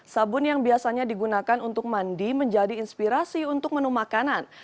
sabun yang biasanya digunakan untuk mandi menjadi inspirasi untuk menu makanan